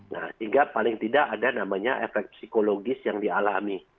nah sehingga paling tidak ada namanya efek psikologis yang dialami